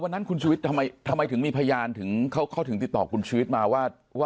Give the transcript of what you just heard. วันนั้นคุณชุวิตทำไมถึงมีพยานถึงเขาถึงติดต่อคุณชีวิตมาว่า